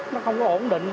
nó không có ổn định